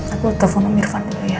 aku telepon ke irfan dulu ya